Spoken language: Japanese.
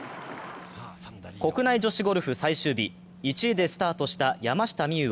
国内女子ゴルフ最終日、１位でスタートした山下美夢